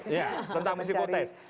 iya tentang psikotest